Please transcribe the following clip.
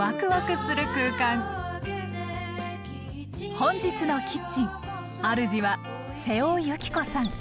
本日のキッチンあるじは瀬尾幸子さん。